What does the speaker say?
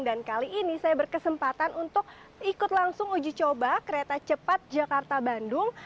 dan kali ini saya berkesempatan untuk ikut langsung uji coba kereta cepat jakarta bandung